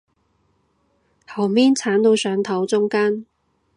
後面剷到上頭中間